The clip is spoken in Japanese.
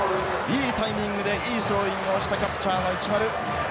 いいタイミングでいいスローイングをしたキャッチャーの市丸。